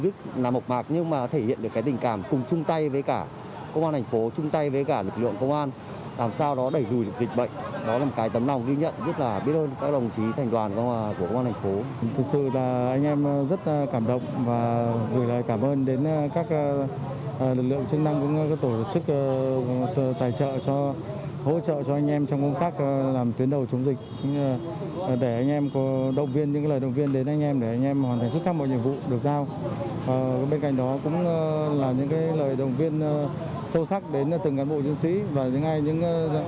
toàn hệ thống chính trị cũng như lực lượng chức năng tuyến đầu chống dịch vẫn rất vất vả ngày đêm